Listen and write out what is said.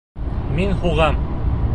Мин һуғам!